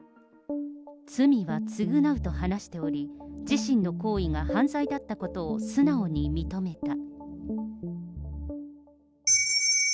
罪は償うと話しており、自身の行為が犯罪だったことを素直に認めた。